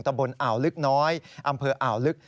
ตะบนอ่าวลึกน้อยอำเภออ่าวลึก